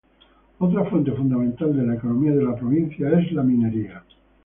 Otra fuente fundamental de la economía de la provincia es la minería.